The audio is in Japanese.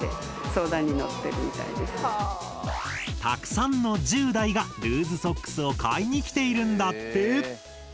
たくさんの１０代がルーズソックスを買いに来ているんだって。